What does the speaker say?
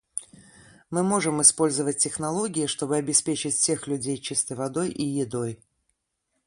Мы можем использовать технологии, чтобы обеспечить всех людей чистой водой и едой.